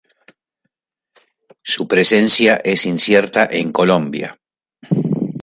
Su presencia es incierta en Colombia.